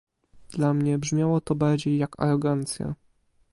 Dla mnie brzmiało to bardziej jak arogancja